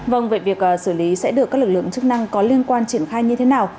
vâng vậy việc xử lý sẽ được các lực lượng chức năng có liên quan triển khai như thế nào